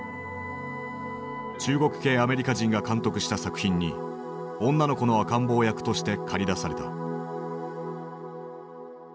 中国系アメリカ人が監督した作品に女の子の赤ん坊役として駆り出された。